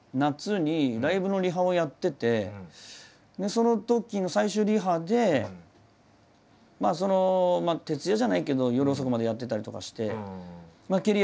そのときの最終リハでまあその徹夜じゃないけど夜遅くまでやってたりとかして。